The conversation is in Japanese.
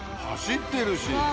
走ってるし。